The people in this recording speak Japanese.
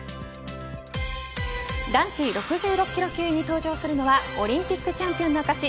男子６６キロ級に登場するのはオリンピックチャンピオンの証し